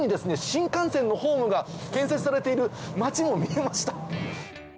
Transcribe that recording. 新幹線のホームが建設されている街も見えました。